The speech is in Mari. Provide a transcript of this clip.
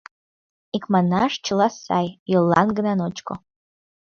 Икманаш, чыла сай, йоллан гына ночко.